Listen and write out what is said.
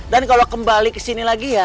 dan kalau kembali kesini lagi ya